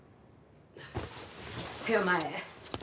手を前へ。